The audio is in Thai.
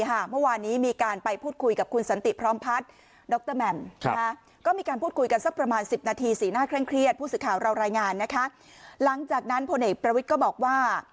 หลังจากนั้นพลเอกพลเอกประวิทย์ก็บอกว่า